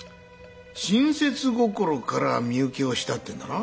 親切心から身請けをしたってんだな？